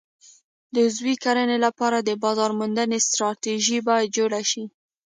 د عضوي کرنې لپاره د بازار موندنې ستراتیژي باید جوړه شي.